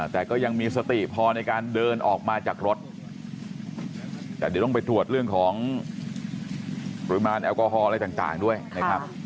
แต่ก็ยังมีสติพอในการเดินออกมาจากรถแต่เดี๋ยวต้องไปตรวจเรื่องของปริมาณแอลกอฮอลอะไรต่างด้วยนะครับ